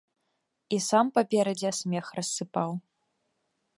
І сам паперадзе смех рассыпаў.